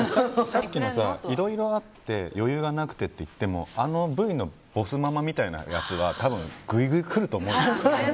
さっきのいろいろあって余裕がなくてっていってもあのＶのボスママみたいな人は多分グイグイ来ると思うよ。